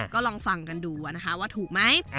ก็ลองฟังกันดูนะคะว่าถูกไหม